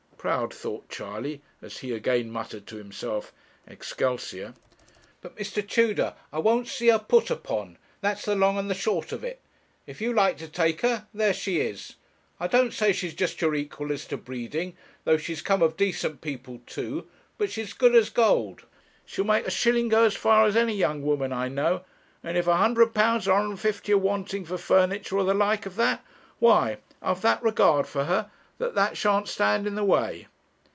Proud, thought Charley, as he again muttered to himself, 'Excelsior!' 'But, Mr. Tudor, I won't see her put upon; that's the long and the short of it. If you like to take her, there she is. I don't say she's just your equal as to breeding, though she's come of decent people too; but she's good as gold. She'll make a shilling go as far as any young woman I know; and if £100 or £150 are wanting for furniture or the like of that, why, I've that regard for her, that that shan't stand in the way.